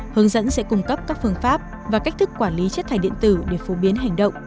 hướng dẫn sẽ cung cấp các phương pháp và cách thức quản lý chất thải điện tử để phổ biến hành động